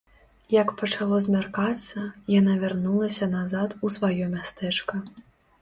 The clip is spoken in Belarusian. Як пачало змяркацца, яна вярнулася назад у сваё мястэчка.